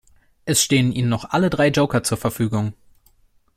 Es stehen Ihnen noch alle drei Joker zur Verfügung.